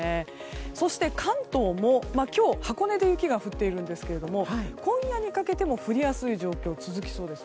そして、関東も今日箱根で雪が降っているんですが今夜にかけても降りやすい状況が続きそうです。